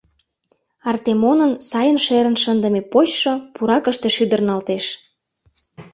Артемонын сайын шерын шындыме почшо пуракыште шӱдырналтеш.